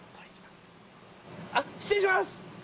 あっ失礼します。